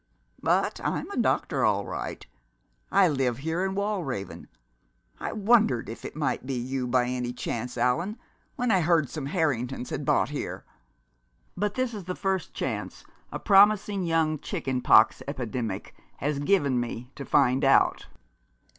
But I'm a doctor all right. I live here in Wallraven. I wondered if it might be you by any chance, Allan, when I heard some Harringtons had bought here. But this is the first chance a promising young chickenpox epidemic has given me to find out."